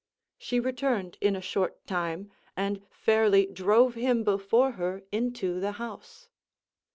She returned in a short time, and fairly drove him before her into the house.